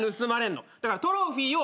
だからトロフィーを片付ける。